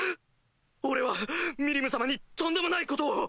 俺はミリム様にとんでもないことを。